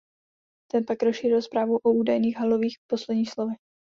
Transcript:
Ten pak rozšířil zprávu o údajných Halových posledních slovech.